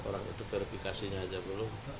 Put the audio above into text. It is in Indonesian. orang itu verifikasinya aja belum